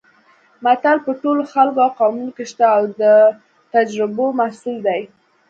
متل په ټولو خلکو او قومونو کې شته او د تجربو محصول دی